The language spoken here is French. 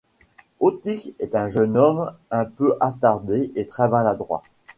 Otík est un jeune homme un peu attardé et très maladroit.